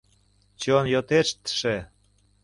Чон йотештше!